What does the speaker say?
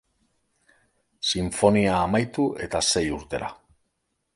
Sinfonia amaitu eta sei urtera.